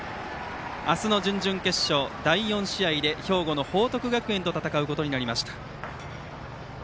明日の準々決勝、第４試合で兵庫の報徳学園と戦うことになりました。